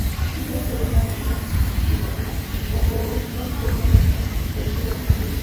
বিশেষ করে নব্য গণতান্ত্রিক দেশগুলো স্বাধীন নির্বাচন কমিশনই সাংবিধানিকভাবে বেছে নেয়।